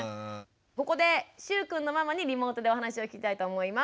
ここでしゅうくんのママにリモートでお話を聞きたいと思います。